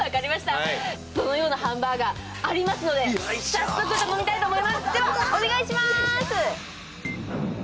そのようなハンバーガー、ありますので早速頼みたいと思います、お願いします。